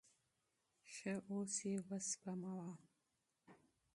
ښه اوس یې اوسپموه.